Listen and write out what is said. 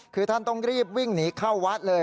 คือท่านต้องรีบวิ่งหนีเข้าวัดเลย